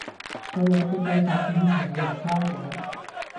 有兩句對白以前有人交咗